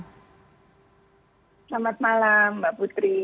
selamat malam mbak putri